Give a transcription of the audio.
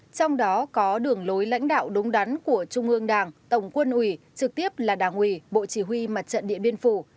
trong đó có đường lối lãnh đạo đúng đắn của trung ương đảng tổng quân ủy trực tiếp là đảng ủy bộ chỉ huy mặt trận điện biên phủ